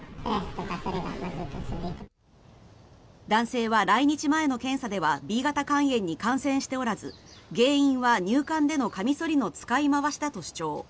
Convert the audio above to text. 男性は来日前の検査ではＢ型肝炎に感染しておらず原因は入管でのカミソリの使い回しだと主張。